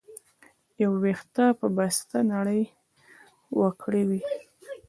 د يو وېښته په بسته نړۍ وکړى وى.